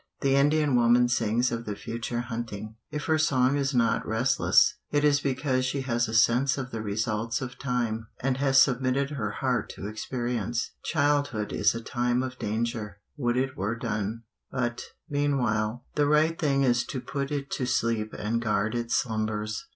The Indian woman sings of the future hunting. If her song is not restless, it is because she has a sense of the results of time, and has submitted her heart to experience. Childhood is a time of danger; "Would it were done." But, meanwhile, the right thing is to put it to sleep and guard its slumbers.